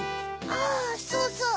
あぁそうそう。